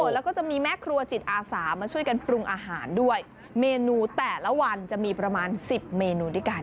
แล้วก็จะมีแม่ครัวจิตอาสามาช่วยกันปรุงอาหารด้วยเมนูแต่ละวันจะมีประมาณ๑๐เมนูด้วยกัน